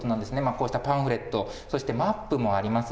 こうしたパンフレット、そしてマップもあります。